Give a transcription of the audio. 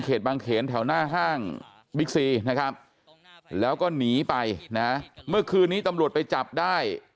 บางเขนแถวหน้าห้างบิ๊กซีนะครับแล้วก็หนีไปนะเมื่อคืนนี้ตำรวจไปจับได้